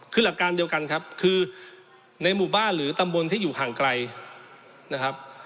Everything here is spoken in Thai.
คือหลักการเดียวกันครับคือในหมู่บ้านหรือตำบลที่อยู่ห่างไกลนะครับ